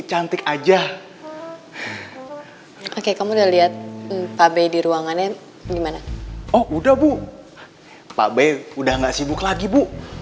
cantik aja oke kamu udah lihat entah be di ruangannya gimana oh udah bu pak bey udah nggak sibuk lagi bu